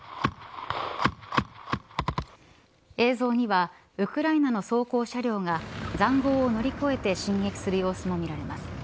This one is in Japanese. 映像にはウクライナの装甲車両が塹壕を乗り越えて進撃する様子も見られます。